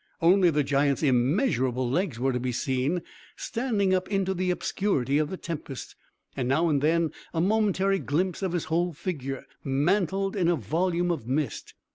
Only the giant's immeasurable legs were to be seen, standing up into the obscurity of the tempest; and, now and then, a momentary glimpse of his whole figure, mantled in a volume of mist.